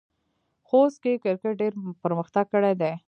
خوست کې کرکټ ډېر پرمختګ کړی دی.